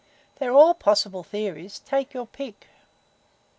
* They're all possible theories take your pick."